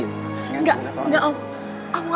enggak enggak om